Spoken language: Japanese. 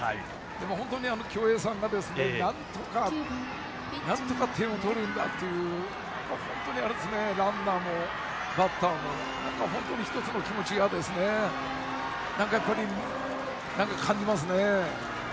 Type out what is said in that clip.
本当に共栄さんがなんとか点を取るんだという本当にランナーも、バッターも１つの気持ちを感じますね。